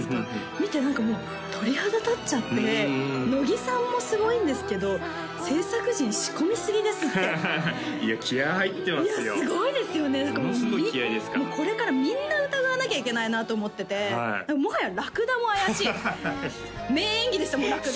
見て何かもう鳥肌立っちゃって乃木さんもすごいんですけど制作陣仕込みすぎですっていや気合入ってますよいやすごいですよねものすごい気合ですからこれからみんな疑わなきゃいけないなって思っててもはやラクダも怪しい名演技でしたもんラクダ